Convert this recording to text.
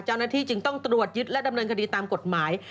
เจ้าหน้าที่จึงต้องตรวจยึดและดำเนินคดีตามกฎหมาย